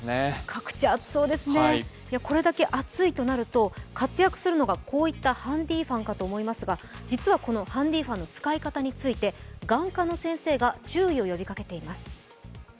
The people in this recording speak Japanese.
各地、暑そうですね、これだけ暑いとなると活躍するのがこういったハンディファンかと思いますが、実はこのハンディファンの使い方について眼科の先生が注意を呼びかけています。